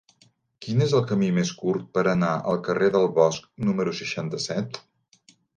Quin és el camí més curt per anar al carrer del Bosc número seixanta-set?